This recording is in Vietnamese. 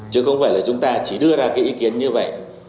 chứ không phải là chúng ta chỉ đưa ra cái ý kiến như vậy